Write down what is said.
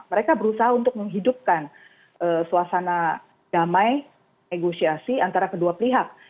mereka berusaha untuk menghidupkan suasana damai negosiasi antara kedua pihak